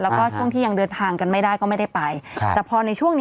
แล้วก็ช่วงที่ยังเดินทางกันไม่ได้ก็ไม่ได้ไป